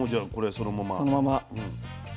そのまま。